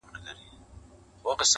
o دا حال دئ، چي پر غوايي جوال دئ.